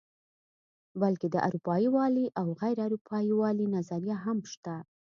بلکې د اروپايي والي او غیر اروپايي والي نظریه هم شته.